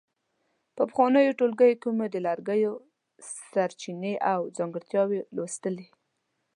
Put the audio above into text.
په پخوانیو ټولګیو کې مو د لرګیو سرچینې او ځانګړتیاوې لوستلې.